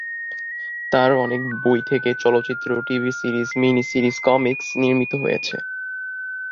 তার অনেক বই থেকে চলচ্চিত্র, TV series, mini series, comics নির্মিত হয়েছে।